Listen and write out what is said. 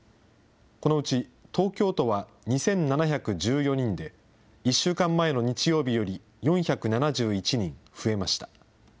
このうち東京都は２７１４人で、１週間前の日曜日より４７１人増えました。